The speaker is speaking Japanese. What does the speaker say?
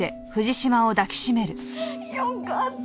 よかった。